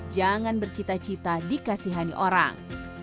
jangan bercita cita dikasihani orang